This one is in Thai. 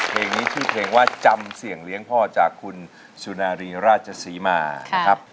เพลงนี้ชื่อเพลงว่าจำเสี่ยงเลี้ยงพ่อจากคุณสุนารีราชศรีมานะครับ